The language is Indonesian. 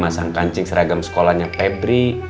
masang kancing seragam sekolahnya pebri